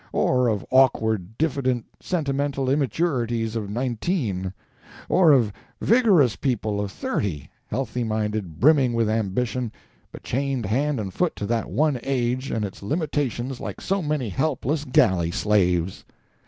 —or of awkward, diffident, sentimental immaturities of nineteen!—or of vigorous people of thirty, healthy minded, brimming with ambition, but chained hand and foot to that one age and its limitations like so many helpless galley slaves!